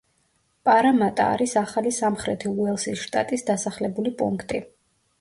პარამატა არის ახალი სამხრეთი უელსის შტატის დასახლებული პუნქტი.